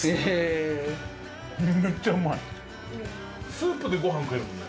スープでご飯食えるもんね。